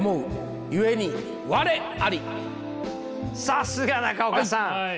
さすが中岡さん！